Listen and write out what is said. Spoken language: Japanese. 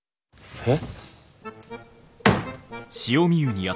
えっ。